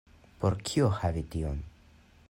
Por kio havi tion?